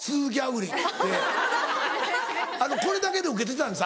これだけでウケてたんです